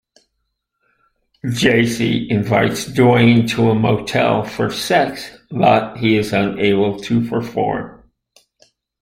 Jacy invites Duane to a motel for sex but he is unable to perform.